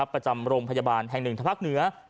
ประจำโรงพยาบาลแห่ง๑ทะพักเหนือ